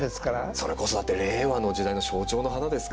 それこそだって令和の時代の象徴の花ですから。